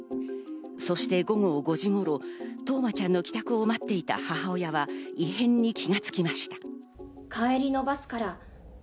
そして午後５時頃、冬生ちゃんの帰宅を待っていた母親は異変に気が付きました。